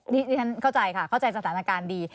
นี่ฉันเข้าใจค่ะเข้าใจสถานการณ์ดี